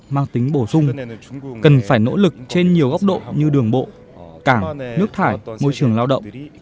mang tính bổ sung cần phải nỗ lực trên nhiều góc độ như đường bộ cảng nước thải môi trường lao động